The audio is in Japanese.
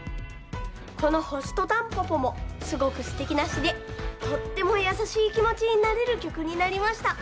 この「星とたんぽぽ」もすごくすてきなしでとってもやさしいきもちになれるきょくになりました。